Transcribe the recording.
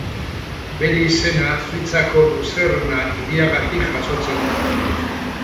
Bere izena Suitzako Luzerna hiriagatik jasotzen du.